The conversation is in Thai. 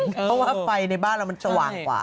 คงเศร้าไปเลยเพราะว่าไฟในบ้านเรามันสว่างกว่า